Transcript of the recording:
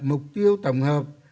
mục tiêu tổng hợp